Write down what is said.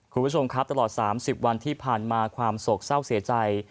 คุณผู้ชมครับตลอด๓๐วันที่ผ่านมาความโศกเศร้าเสียใจ